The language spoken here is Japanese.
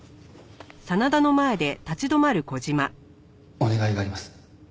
お願いがあります。